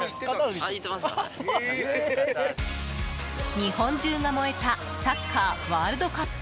日本中が燃えたサッカーワールドカップ。